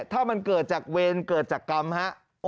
ถ้ามันเกิดจากเวรเกิดจากกรรมฮะ